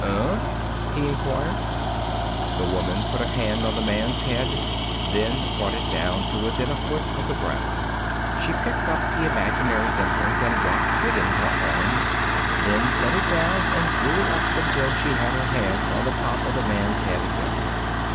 "Unh?" he inquired. The woman put a hand on the man's head, then brought it down to within a foot of the ground. She picked up the imaginary infant and rocked it in her arms, then set it down and grew it up until she had her hand on the top of the man's head again.